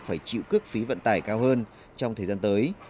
phải chịu cước phí vận tải cao hơn trong thời gian tới